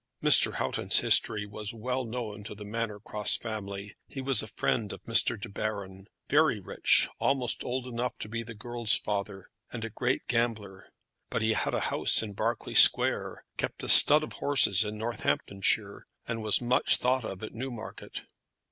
Mr. Houghton's history was well known to the Manor Cross family. He was a friend of Mr. De Baron, very rich, almost old enough to be the girl's father, and a great gambler. But he had a house in Berkeley Square, kept a stud of horses in Northamptonshire, and was much thought of at Newmarket.